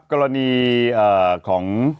กรณีของ